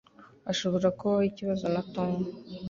Hashobora kubaho ikibazo na Tom